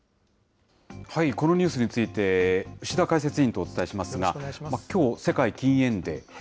このニュースについて、牛田解説委員とお伝えしますが、きょう、世界禁煙デー。